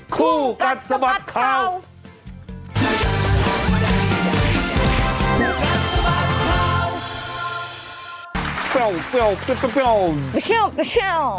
ผู้กัดสำหรับค่า